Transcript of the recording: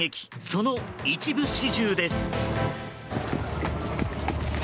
その一部始終です。